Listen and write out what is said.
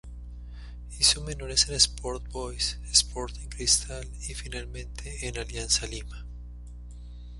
Hizo menores en Sport Boys, Sporting Cristal y finalmente en Alianza Lima.